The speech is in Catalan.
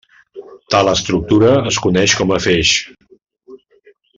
Tal estructura es coneix com a feix.